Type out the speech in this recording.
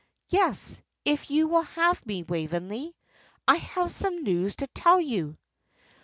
"Yes, if you will have me, Waveney. I have some news to tell you."